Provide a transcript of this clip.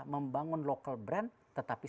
membangun local brand tetapi